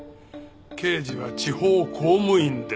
刑事は地方公務員です。